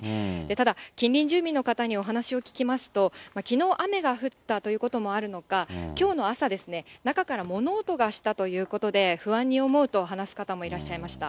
ただ、近隣住民の方にお話を聞きますと、きのう、雨が降ったということもあるのか、きょうの朝ですね、中から物音がしたということで、不安に思うと話す方もいらっしゃいました。